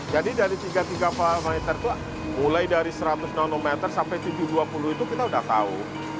jadi dari tiga puluh tiga parameter itu mulai dari seratus nanometer sampai tujuh ratus dua puluh itu kita sudah tahu